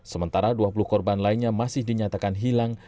sementara dua puluh korban lainnya masih dinyatakan hilang